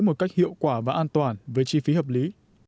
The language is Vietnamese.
một cách hiệu quả và an toàn với chi phí hợp lý